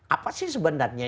apa sih sebenarnya